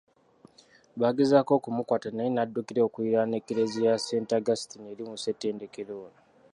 Bagezaako okumukwata naye naddukira okuliraana Ekereziya ya St Augustine eri mu ssettendekero ono.